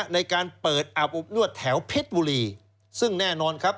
ในการเปิดอาบอบนวดแถวเพชรบุรีซึ่งแน่นอนครับ